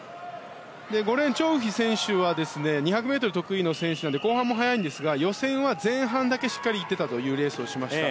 ５レーン、チョウ・ウヒ選手は２００ｍが得意な選手なので後半も速いんですが予選は前半だけしっかりいっていたというレースをしました。